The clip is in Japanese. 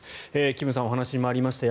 金さんのお話にもありました